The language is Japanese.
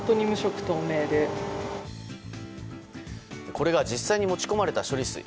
これが実際に持ち込まれた処理水。